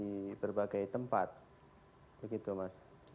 di berbagai tempat begitu mas